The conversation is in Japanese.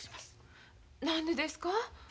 何でですか？